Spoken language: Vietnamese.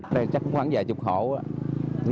đây chắc cũng khoảng dài chục hổ